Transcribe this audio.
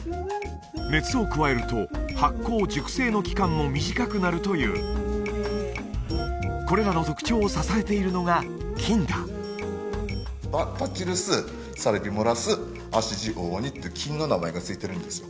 熱を加えると発酵熟成の期間も短くなるというこれらの特徴を支えているのが菌だっていう菌の名前がついてるんですよ